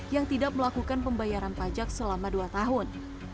yang tidak melakukan pembayaran pajak selama dua tahun